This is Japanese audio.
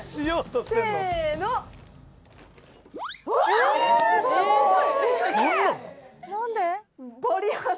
あすごい！